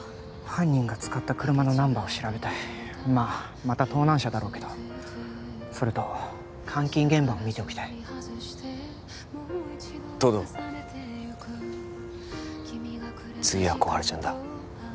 犯人が使った車のナンバーを調べたいまあまた盗難車だろうけどそれと監禁現場を見ておきたい東堂次は心春ちゃんだ